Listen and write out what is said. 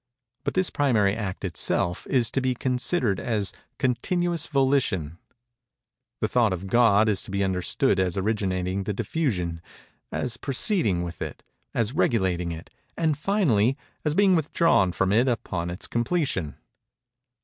But this primary act itself is to be considered as continuous Volition. The Thought of God is to be understood as originating the Diffusion—as proceeding with it—as regulating it—and, finally, as being withdrawn from it upon its completion.